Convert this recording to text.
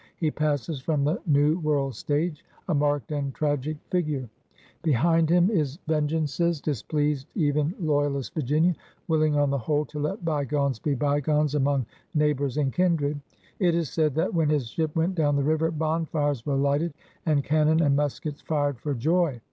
He passes from the New World stage, a marked and tragic figure. Behind him his 190 PIONEERS OP THE OLD SOUTH vengeances displeased even loyalist Virginia, will ing on the whole to let bygones be bygones among neighbors and kindred. It is said that, when his ship went down the river, bonfires were lighted and cannon and muskets fired for joy.